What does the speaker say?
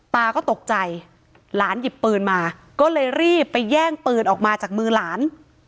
ตาก็ตกใจหลานหยิบปืนมาก็เลยรีบไปแย่งปืนออกมาจากมือหลาน